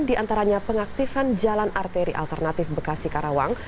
di antaranya pengaktifan jalan arteri alternatif bekasi karawang